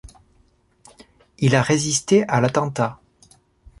Il a résisté à l'attentat.